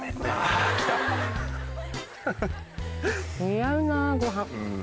似合うなご飯。